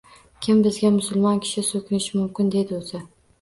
Kim bizga musulmon kishi so‘kinishi mumkin dedi o‘zi?